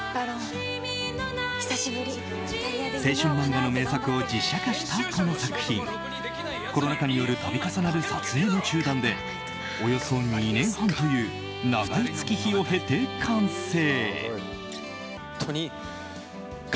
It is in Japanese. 青春漫画の名作を実写化したこの作品コロナ禍による度重なる撮影の中断でおよそ２年半という長い月日を経て完成。